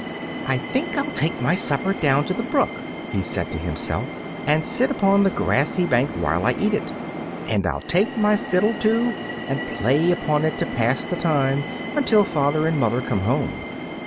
"I think I'll take my supper down to the brook," he said to himself, "and sit upon the grassy bank while I eat it. And I'll take my fiddle, too, and play upon it to pass the time until father and mother come home."